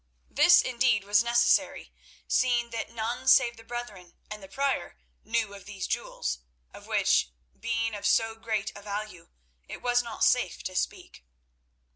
This, indeed, was necessary, seeing that none save the brethren and the Prior knew of these jewels, of which, being of so great a value, it was not safe to speak.